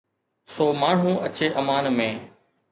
سو ماڻهو اچي امان ۾.